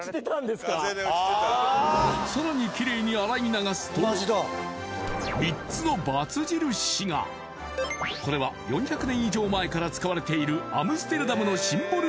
さらにキレイに洗い流すとこれは４００年以上前から使われているアムステルダムのシンボル